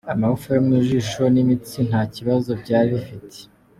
Amagufwa yo mu ijosi n’imitsi nta kibazo byari bifite.